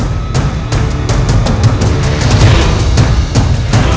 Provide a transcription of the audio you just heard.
harus mencari arda lema